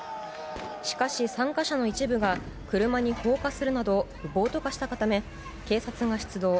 しかし、参加者の一部が車に放火するなど暴徒化したため警察が出動。